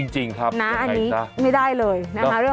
ใช้เมียได้ตลอด